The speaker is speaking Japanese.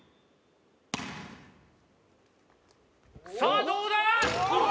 さあどうだ？